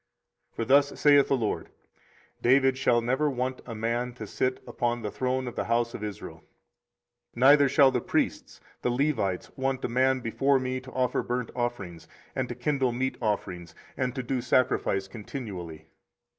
24:033:017 For thus saith the LORD; David shall never want a man to sit upon the throne of the house of Israel; 24:033:018 Neither shall the priests the Levites want a man before me to offer burnt offerings, and to kindle meat offerings, and to do sacrifice continually.